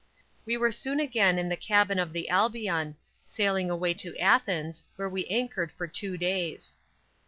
We were soon again in the cabin of the Albion, sailing away to Athens, where we anchored for two days.